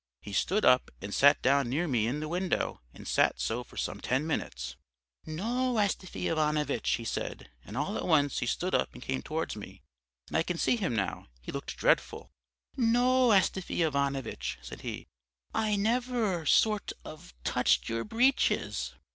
He stood up, and sat down near me in the window and sat so for some ten minutes. "'No, Astafy Ivanovitch,' he said, and all at once he stood up and came towards me, and I can see him now; he looked dreadful. 'No, Astafy Ivanovitch,' said he, 'I never sort of touched your breeches.'